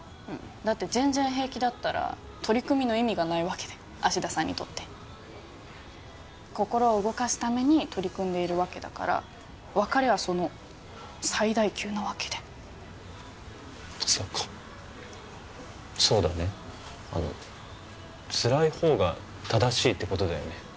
うんだって全然平気だったら取り組みの意味がないわけで芦田さんにとって心を動かすために取り組んでいるわけだから別れはその最大級なわけでそうかそうだねあのつらいほうが正しいってことだよね